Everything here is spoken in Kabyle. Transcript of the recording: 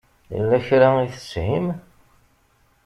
Yella kra i teshim?